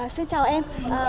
xin chào em